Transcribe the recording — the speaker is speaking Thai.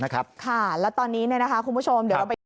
ค่ะแล้วตอนนี้คุณผู้ชม